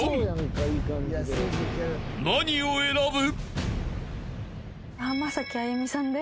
［何を選ぶ？］